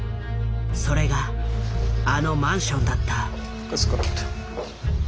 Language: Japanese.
それがあのマンションだった。